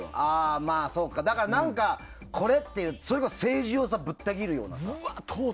だから何かこれっていうのはそれこそ政治をぶった切るようなさ。